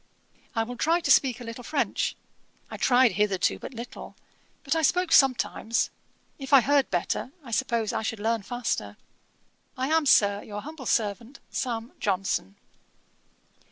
I will try to speak a little French; I tried hitherto but little, but I spoke sometimes. If I heard better, I suppose I should learn faster. I am, Sir, 'Your humble servant, 'SAM. JOHNSON.'